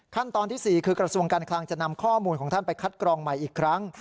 ที่๔คือกระทรวงการคลังจะนำข้อมูลของท่านไปคัดกรองใหม่อีกครั้ง